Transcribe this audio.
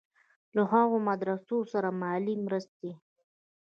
له هغو مدرسو سره مالي مرستې.